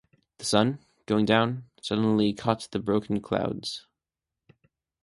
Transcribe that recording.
The sun, going down, suddenly caught the broken clouds.